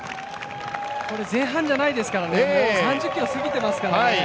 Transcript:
これ、前半じゃないですからねもう３０ｋｍ過ぎていますからね。